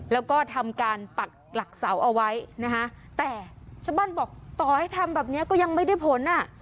แล้วก็ทำการปักหลักเสาเอาไว้นะคะแต่ชาวบ้านบอกต่อให้ทำแบบเนี้ยก็ยังไม่ได้ผลอ่ะ